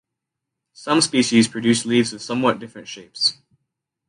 Some species produce leaves of somewhat different shapes.